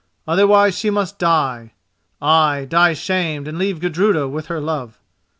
Otherwise she must die—ay, die shamed and leave Gudruda with her love.